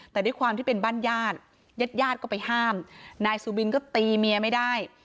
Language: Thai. แต่ด้วยความที่เป็นบ้านญาติญาติก็ไปห้ามนายสุบินก็ตีเมียไม่ได้